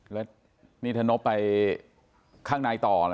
แล้วนี่ถ้านบไปข้างในต่อ